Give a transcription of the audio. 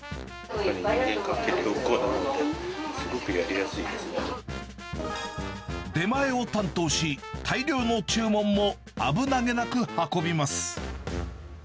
人間関係が良好なんで、出前を担当し、大量の注文も危なげなく運びます。